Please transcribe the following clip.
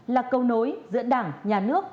là câu nối giữa đảng nhà nước